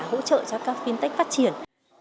hỗ trợ cho các fintech phát triển